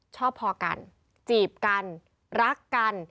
ชอบพอกันจีบกันรักกัน